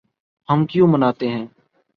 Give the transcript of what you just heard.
ہم کیوں مناتے ہیں